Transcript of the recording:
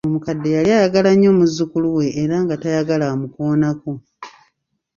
Omukadde yali ayagala nnyo muzzukulu we era nga tayagala amukoonako.